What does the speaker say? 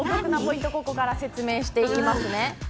まだここから説明していきますね。